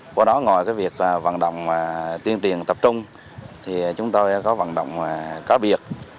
qua đó ngoài việc vận động tuyên truyền tập trung chúng tôi có vận động có biệt